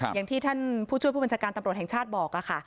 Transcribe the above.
อย่างที่ท่านผู้ช่วยผู้บัญชาการตำรวจแห่งชาติบอกค่ะ